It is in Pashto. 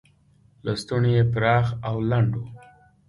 لستوڼي یې پراخ او لنډ و.